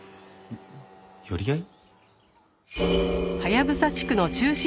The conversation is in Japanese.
寄り合い？